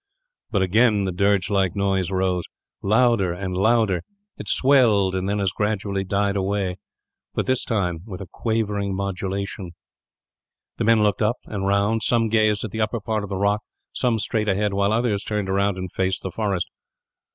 But again the dirge like noise rose, louder and louder. It swelled, and then as gradually died away; but this time with a quavering modulation. The men looked up, and round. Some gazed at the upper part of the rock, some straight ahead, while others turned round and faced the forest.